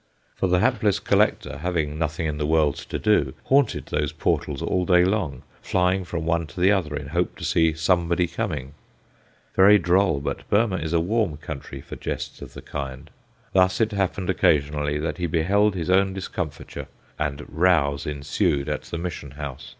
For the hapless collector having nothing in the world to do haunted those portals all day long, flying from one to the other in hope to see "somebody coming." Very droll, but Burmah is a warm country for jests of the kind. Thus it happened occasionally that he beheld his own discomfiture, and rows ensued at the Mission house.